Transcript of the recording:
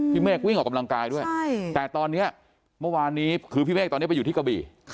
เมฆวิ่งออกกำลังกายด้วยแต่ตอนนี้เมื่อวานนี้คือพี่เมฆตอนนี้ไปอยู่ที่กะบี่